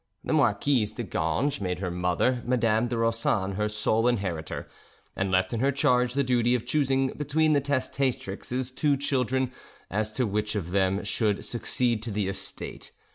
The Marquise de Ganges made her mother, Madame de Rossan, her sole inheritor, and left in her charge the duty of choosing between the testatrix's two children as to which of them should succeed to the estate.